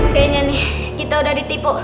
kayaknya nih kita udah ditipu